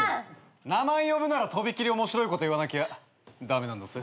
名前呼ぶならとびきり面白いこと言わなきゃ駄目なんだぜ。